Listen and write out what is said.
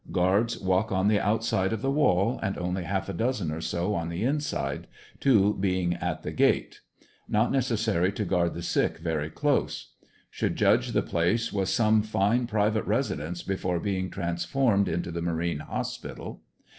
Guards walk on the outside of the wall and only half a dozen or so on the inside, ivio being at the gate; not necessary to guard the sick very close. Should judge the place was some fine private residence before being transformed into the Marine Hospital.